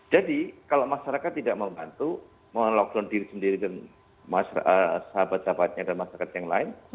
jadi kalau masyarakat tidak membantu melockdown diri sendiri dan sahabat sahabatnya dan masyarakat yang lain